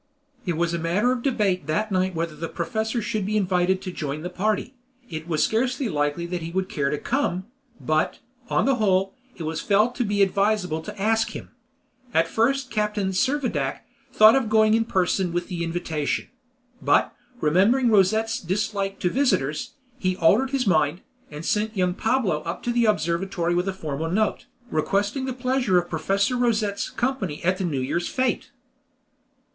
It was a matter of debate that night whether the professor should be invited to join the party; it was scarcely likely that he would care to come, but, on the whole, it was felt to be advisable to ask him. At first Captain Servadac thought of going in person with the invitation; but, remembering Rosette's dislike to visitors, he altered his mind, and sent young Pablo up to the observatory with a formal note, requesting the pleasure of Professor Rosette's company at the New Year's fete.